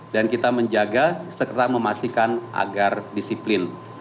dan kita menjaga segera memastikan agar disiplin